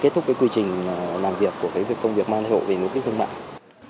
kết thúc quy trình làm việc của công việc mang thai hộ vì mục đích thương mại